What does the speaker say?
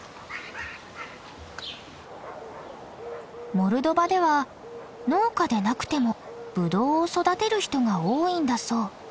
モルドバでは農家でなくてもブドウを育てる人が多いんだそう。